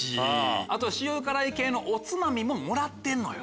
あと塩辛い系のおつまみももらってんのよ。